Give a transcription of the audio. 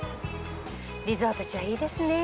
リゾート地はいいですね。